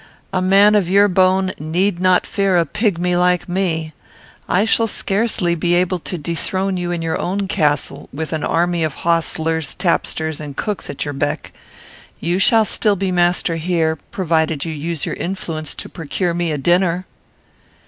"A man of your bone need not fear a pigmy like me. I shall scarcely be able to dethrone you in your own castle, with an army of hostlers, tapsters, and cooks at your beck. You shall still be master here, provided you use your influence to procure me a dinner."